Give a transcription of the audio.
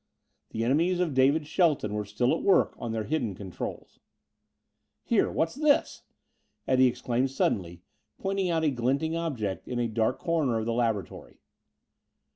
The enemies of David Shelton were still at work on their hidden controls. "Here what's this?" Eddie exclaimed suddenly, pointing out a glinting object in a dark corner of the laboratory.